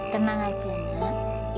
tenang aja nak